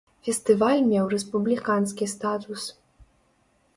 Фестываль меў рэспубліканскі статус.